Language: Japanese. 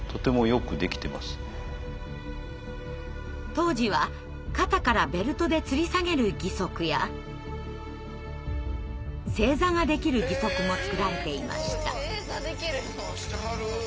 当時は肩からベルトでつり下げる義足や正座ができる義足も作られていました。